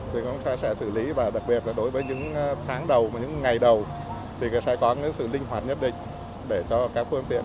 thì cũng sẽ xử lý và đặc biệt là đối với những tháng đầu và những ngày đầu thì sẽ có những sự linh hoạt nhất định để cho các phương tiện